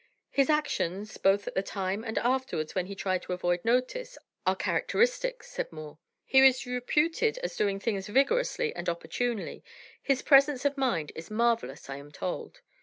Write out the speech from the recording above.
"His actions, both at the time and afterwards when he tried to avoid notice, are characteristic," said Moore. "He is reputed as doing things vigorously and opportunely. His presence of mind is marvellous, I am told.